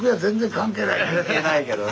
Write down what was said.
関係ないけどね。